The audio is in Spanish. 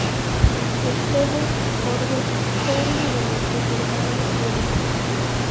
Steve Forbes fue uno de los que firmaron el.